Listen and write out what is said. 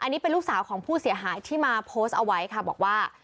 ข้อมูลของผู้เสียหายที่มาโพสต์เอาไว้ค่ะบอกว่า